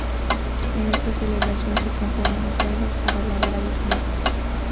En esta celebración se componen ofrendas para alabar a los muertos.